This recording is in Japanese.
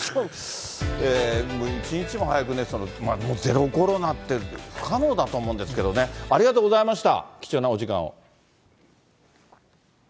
もう一日も早くね、ゼロコロナって不可能だと思うんですけどね、ありがとうございました、貴重なお時間を。